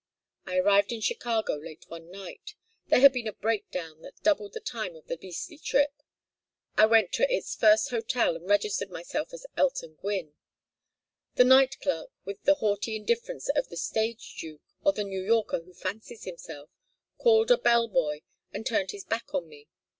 I arrived in Chicago late one night. There had been a break down that doubled the time of the beastly trip. I went to its first hotel and registered myself as Elton Gwynne. The night clerk, with the haughty indifference of the stage duke, or the New Yorker who fancies himself, called a bell boy and turned his back on me.